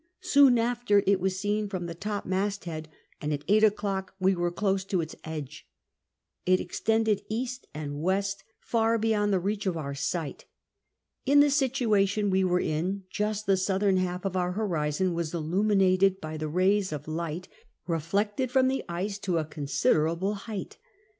Soon after it was seen from the topinasthead, and at eight o'clock we were close to its edge. It extended east and west far beyond the reach of our sight. In the situation we were in, just the southern half of our horizon was illuminated by the rays of light reflected from the ice to a considerable height.